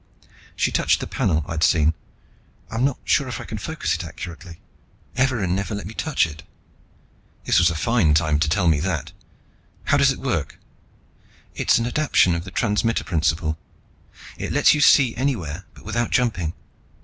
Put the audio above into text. She touched the panel I'd seen. "I'm not sure I can focus it accurately. Evarin never let me touch it." This was a fine time to tell me that. "How does it work?" "It's an adaptation of the transmitter principle. It lets you see anywhere, but without jumping.